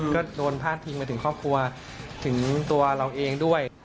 ก็โดนพาดพิงไปถึงครอบครัวถึงตัวเราเองด้วย